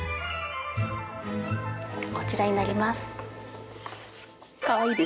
こちらになります。